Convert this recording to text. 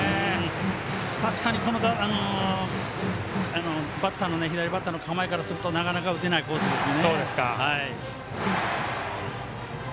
確かに、左バッターの構えからするとなかなか、打てないコースです。